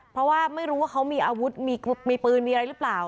เพราะว่าไม่รู้ว่าเขามีอาวุธมีปืนมีอะไรหรือเปล่า